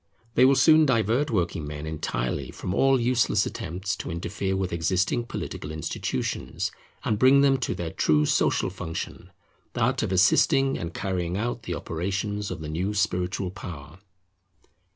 They will soon divert working men entirely from all useless attempts to interfere with existing political institutions, and bring them to their true social function, that of assisting and carrying out the operations of the new spiritual power.